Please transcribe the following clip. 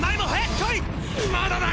まだだ！！